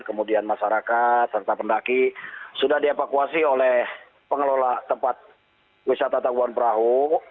kemudian masyarakat serta pendaki sudah dievakuasi oleh pengelola tempat wisata tabuan perahu